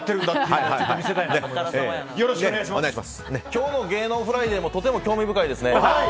今日の芸能フライデーもとても興味深いですね。